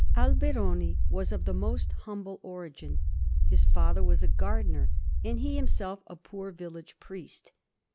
Alberoni was of the most humble origin. His father was a gardener, and he himself a poor village priest.